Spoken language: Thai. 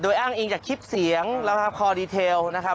อ้างอิงจากคลิปเสียงแล้วก็คอดีเทลนะครับ